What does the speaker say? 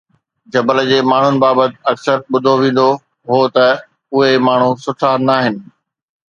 جبل جي ماڻهن بابت اڪثر ٻڌو ويندو هو ته اهي ماڻهو سٺا ناهن